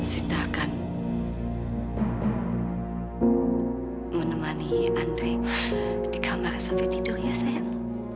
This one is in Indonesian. sita akan menemani andri di kamar sampai tidur ya sayang